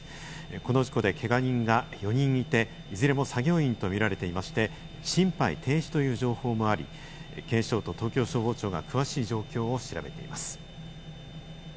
この事故でけが人が４人にいて、いずれも作業員と見られていまして心肺停止という情報もあり、警視庁と東京消防庁が詳しい状況を調べています。